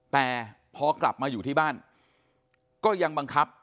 แต่พอกลับมาอยู่ที่บ้านก็ยังบังคับ